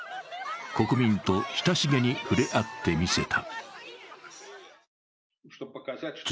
国民と親しげに触れ合ってみせた。